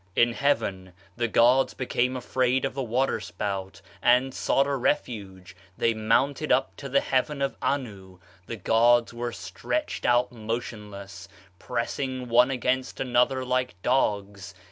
In heaven the gods became afraid of the water spout, and sought a refuge; they mounted up to the heaven of Anu. The gods were stretched out motionless, pressing one against another like dogs.